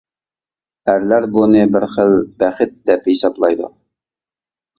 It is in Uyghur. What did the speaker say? ئەرلەر بۇنى بىر خىل بەخت دەپ ھېسابلايدۇ.